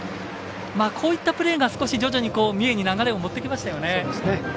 こういったプレーが少し徐々に三重に流れを持っていきましたね。